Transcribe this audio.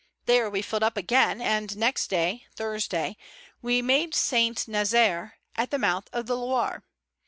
There we filled up again, and next day, Thursday, we made St. Nazaire, at the mouth of the Loire.